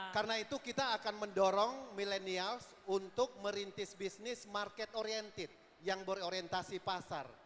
karena itu kita akan mendorong millennials untuk merintis bisnis market oriented yang berorientasi pasar